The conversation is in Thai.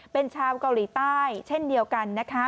เป็นชาวเกาหลีใต้เช่นเดียวกันนะคะ